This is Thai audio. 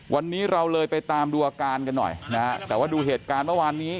วันนี้เราเลยไปตามดูอาการกันหน่อยนะฮะแต่ว่าดูเหตุการณ์เมื่อวานนี้